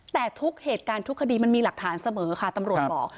แต่ทุกเหตุการณ์ทุกคดีมันมีหลักฐานเสมอค่ะตำรวจบอก